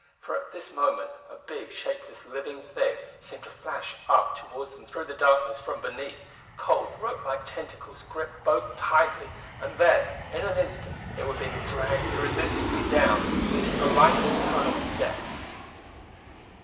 For at this moment a big shapeless living thing seemed to flash up toward them through the darkness from beneath, cold ropelike tentacles gripped both tightly; and then in an instant they were being dragged irresistibly down into the lightless tunnel's depths!